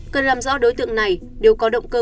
cần làm rõ đối tượng này nếu có động cơ